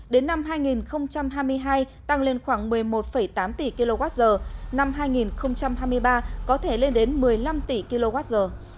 đến năm hai nghìn hai mươi hai tăng lên khoảng một mươi một tám tỷ kwh năm hai nghìn hai mươi ba có thể lên đến một mươi năm tỷ kwh